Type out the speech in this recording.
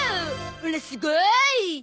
オラすごい！